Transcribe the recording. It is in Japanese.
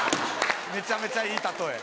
めちゃめちゃいい例え。